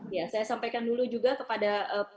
ya saya sampaikan dulu juga kepada